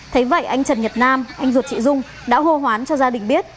thế vậy anh trần nhật nam anh ruột chị dung đã hô hoán cho gia đình biết